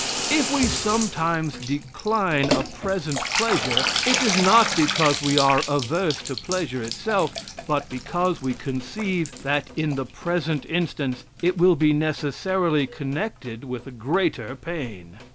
If we sometimes decline a present pleasure, it is not because we are averse to pleasure itself, but because we conceive, that in the present instance, it will be necessarily connected with a greater pain.